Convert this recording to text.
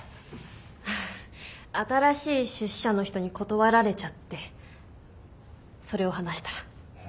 新しい出資者の人に断られちゃってそれを話したら。